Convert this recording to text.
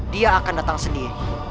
dia akan datang sendiri